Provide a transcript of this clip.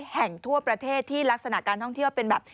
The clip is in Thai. แห่งทั่วประเทศที่ลักษณะการท่องเที่ยวเป็นแบบ